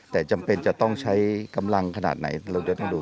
แต่จำเป็นจะต้องใช้กำลังขนาดไหนเราจะต้องดู